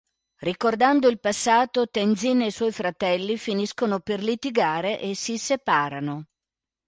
Ricordando il passato Tenzin e i suoi fratelli finiscono per litigare e si separano.